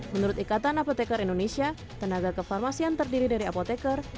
menurut ikatan apotekar indonesia tenaga kefarmasian terdiri dari apoteker